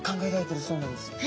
はいそうなんです。